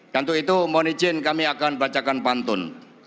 dan untuk itu mohon izin kami akan bacakan pantun